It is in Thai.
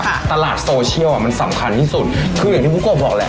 ตลาดโซเชียลอ่ะมันสำคัญที่สุดคืออย่างที่ผู้กบบอกแหละ